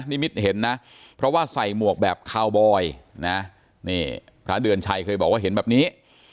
นิมิตเห็นนะเพราะว่าใส่หมวกแบบคาวบอยนะนี่พระเดือนชัยเคยบอกว่าเห็นแบบนี้